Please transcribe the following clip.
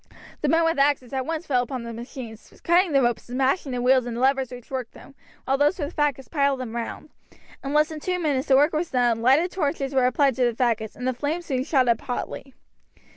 The men with axes at once fell upon the machines, cutting the ropes and smashing the wheels and levers which worked them, while those with the faggots piled them round. In less than two minutes the work was done, lighted torches were applied to the faggots, and the flames soon shot up hotly.